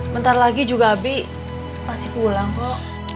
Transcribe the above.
bentar lagi juga abi pasti pulang kok